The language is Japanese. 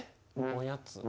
おやつ。